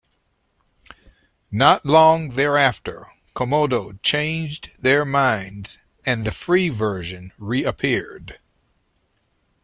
Not long thereafter Comodo changed their minds and the free version reappeared.